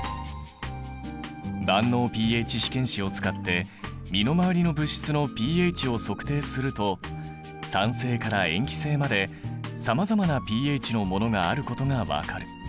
万能ｐＨ試験紙を使って身の回りの物質のｐＨを測定すると酸性から塩基性までさまざまなｐＨのものがあることが分かる。